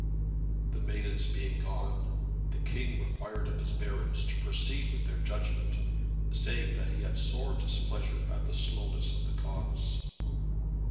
The maidens being gone, the King required of his barons to proceed with their judgment, saying that he had sore displeasure at the slowness of the cause.